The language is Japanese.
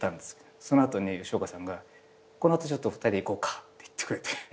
その後に吉岡さんがこの後ちょっと２人で行こうかって言ってくれて。